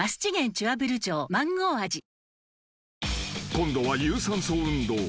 ［今度は有酸素運動］